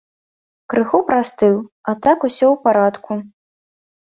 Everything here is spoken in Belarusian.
Крыху прастыў, а так усё ў парадку.